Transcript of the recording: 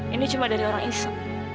ini cuma dari orang iso